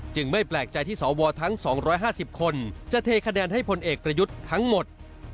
ไม่แปลกใจที่สวทั้ง๒๕๐คนจะเทคะแนนให้พลเอกประยุทธ์ทั้งหมด